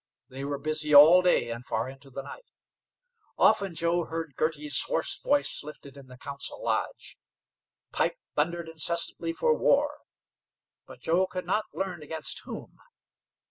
They were busy all day and far into the night. Often Joe heard Girty's hoarse voice lifted in the council lodge. Pipe thundered incessantly for war. But Joe could not learn against whom.